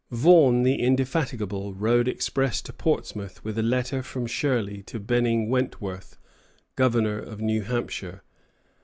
Vaughan the indefatigable rode express to Portsmouth with a letter from Shirley to Benning Wentworth, governor of New Hampshire.